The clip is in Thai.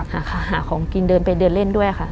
หาของกินเดินไปเดินเล่นด้วยค่ะ